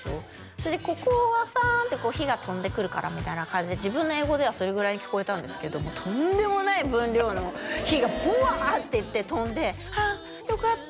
それでここはファーンッて火が飛んでくるからみたいな感じで自分の英語ではそれぐらいに聞こえたんですけどとんでもない分量の火がブワーッていって飛んで「あっよかった」